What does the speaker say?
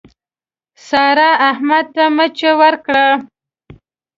سارا، احمد ته مچه ورکړه.